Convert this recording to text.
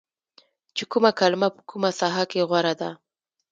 چې کومه کلمه په کومه ساحه کې غوره ده